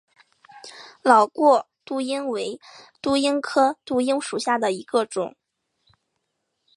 老挝杜英为杜英科杜英属下的一个种。